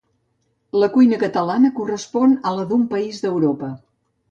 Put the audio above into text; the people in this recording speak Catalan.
la cuina catalana correspon a la d'un país d'Europa